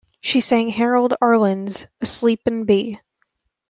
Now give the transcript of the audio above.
She sang Harold Arlen's "A Sleepin' Bee".